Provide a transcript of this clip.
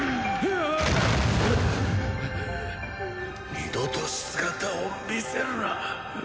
二度と姿を見せるな。